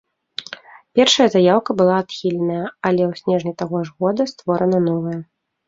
Першая заяўка была адхіленая, але ў снежні таго ж года створана новая.